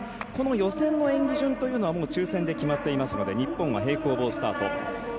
予選の演技順というのは抽せんで決まっていますので日本は平行棒スタート。